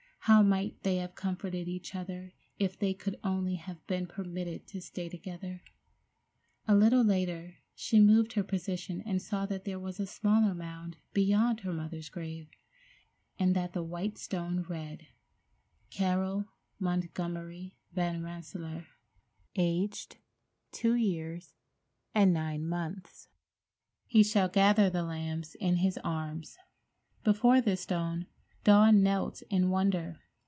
How might they have comforted each other if they could only have been permitted to stay together! A little later she moved her position and saw that there was a smaller mound beyond her mother's grave, and that the white stone read: CARROLL MONTGOMERY VAN RENSSELAER, Aged 2 years and 9 months. He shall gather the lambs in His arms. Before this stone Dawn knelt in wonder.